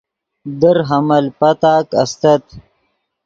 در حمل پتاک استت